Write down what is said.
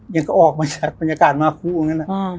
ยังก็ออกมาจากบรรยากาศมาคู่อย่างนั้น